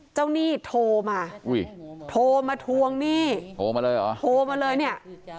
เจ้านี่โทมาอุ้ยโทมาทวงนี่โทมาเลยเหรอโทมาเลยเนี่ย